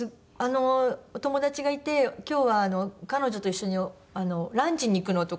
「お友達がいて今日は彼女と一緒にランチに行くの」とか。